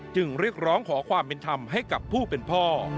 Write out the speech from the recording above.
จึงเรียกร้องขอความเป็นธรรมให้กับผู้เป็นพ่อ